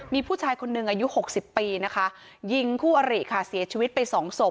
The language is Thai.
มีผู้ชายคนหนึ่งอายุ๖๐ปีนะคะยิงคู่อริค่ะเสียชีวิตไปสองศพ